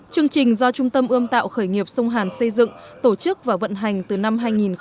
chương trình do trung tâm ươm tạo khởi nghiệp sông hàn xây dựng tổ chức và vận hành từ năm hai nghìn một mươi